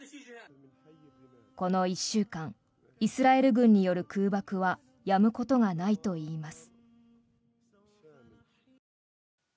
この１週間イスラエル軍による空爆はやむことがないといいます。